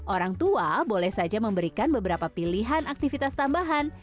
orang tua boleh saja memberikan beberapa pilihan aktivitas tambahan